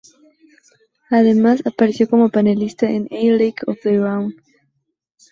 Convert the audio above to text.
Además, apareció como panelista en "A League Of Their Own".